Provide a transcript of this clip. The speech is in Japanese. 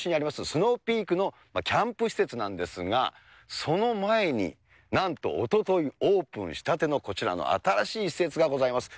スノーピークのキャンプ施設なんですが、その前になんと、おとといオープンしたての、こちらの新しい施設がございます。